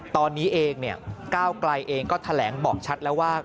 ตอนนี้เองก้าวไกลเองก็แถลงบอกชัดแล้วว่า